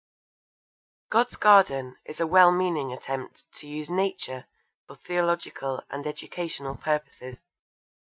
God's Garden is a well meaning attempt to use Nature for theological and educational purposes.